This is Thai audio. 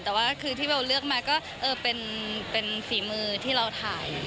แต่ว่าคือที่เบลเลือกมาก็เป็นฝีมือที่เราถ่าย